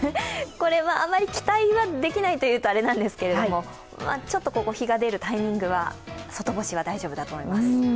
これはあまり期待はできないというとあれなんですけれども、ちょっとここ、日が出るタイミングは外干し大丈夫だと思います。